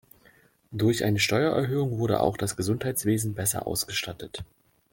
Durch eine Steuererhöhung wurde auch das Gesundheitswesen besser ausgestattet.